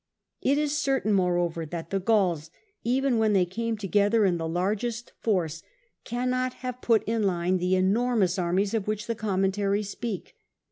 It is certain, moreover, that the Gauls, even when they came together in the largest force, cannot have put inline the enormous armies of which the Commentaries speak.